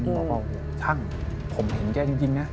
บอกว่าช่างผมเห็นแกจริงนะ